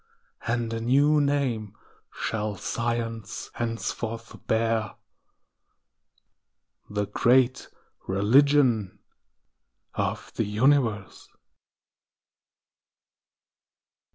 And a new name shall Science henceforth bear— The Great Religion of the Universe.